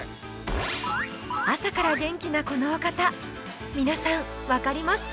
朝から元気なこのお方皆さんわかりますか？